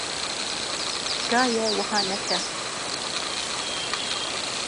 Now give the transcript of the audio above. Tika ye wiha neke.